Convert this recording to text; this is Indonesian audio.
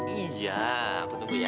iya aku tunggu ya